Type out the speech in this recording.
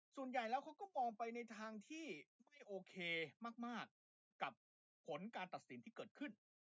ส่วนใหญ่แล้วเขาก็มองไปในทางที่ไม่ค่อยโอเคมากกับผลการตัดสินที่เกิดขึ้น